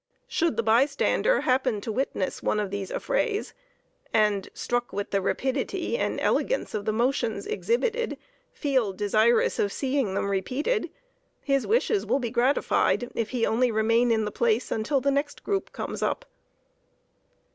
Should the bystander happen to witness one of these affrays, and, struck with the rapidity and elegance of the motions exhibited, feel desirous of seeing them repeated, his wishes will be gratified if he only remain in the place until the next group comes up.